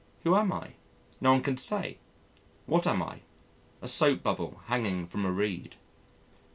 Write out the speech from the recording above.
Who am I? No one can say. What am I? "A soap bubble hanging from a reed."